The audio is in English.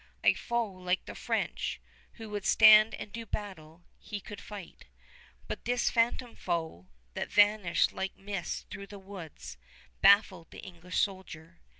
A foe like the French, who would stand and do battle, he could fight; but this phantom foe, that vanished like mist through the woods, baffled the English soldier.